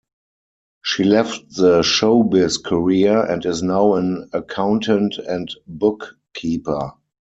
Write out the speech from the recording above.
She left the showbiz career and is now an accountant and bookkeeper.